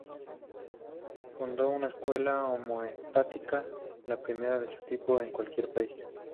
Fundó una escuela homeopática, la primera de su tipo en cualquier país.